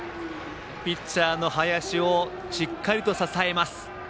ピッチャーの林をしっかりと支えます。